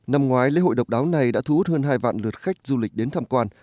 năm ngoái lễ hội độc đáo này đã thu hút hơn hai vạn lượt khách du lịch đến tham quan